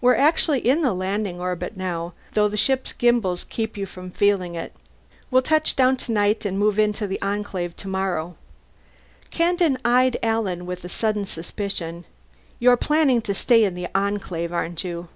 We actually are in the landing orbit now, though the ship's gimbals keep you from feeling it. We'll touch down tonight and move into the Enclave tomorrow." Kandin eyed Alan with sudden suspicion. "You're planning to stay in the Enclave, aren't you?"